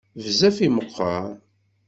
Bezzaf i meqqer.